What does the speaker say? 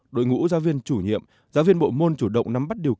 đội ngũ giáo viên chủ nhiệm giáo viên bộ môn chủ động nắm bắt điều kiện